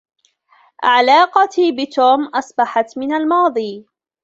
علاقتي بتوم أصبحت من الماضي.